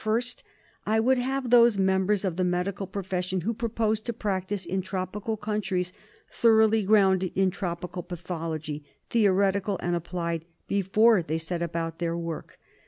First: I would have those members of the medical profession who propose to practise in tropical countries thoroughly grounded in tropical pathology, theoretical and applied, before they set about their work.